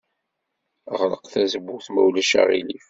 Ɣleq tazewwut ma ulac aɣilif.